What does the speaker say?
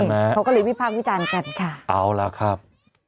เขาก็เลยวิพากษ์วิจารณ์กันค่ะเอาล่ะครับ